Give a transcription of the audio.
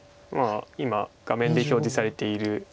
今画面で表示されている。